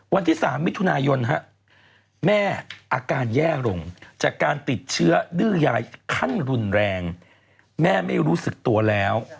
วันที่๓มิถุนายนแม่อาการแย่ลงจากการติดเชื้อดื้อย้ายขั้นรุนแรงแม่ไม่รู้สึกตัวแล้ว